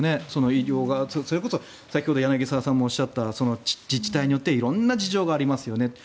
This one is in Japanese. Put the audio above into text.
医療側それこそ柳澤さんもおっしゃった自治体によって色んな事情がありますよねと。